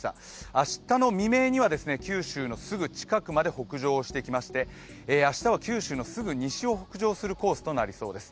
明日の未明には九州のすぐ近くまで北上してきまして、明日は九州のすぐ西を北上するコースとなりそうです。